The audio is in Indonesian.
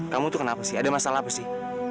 kamu tuh kenapa sih ada masalah apa sih